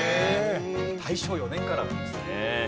大正４年からなんですね。